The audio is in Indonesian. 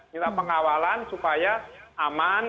minta pengawalan supaya aman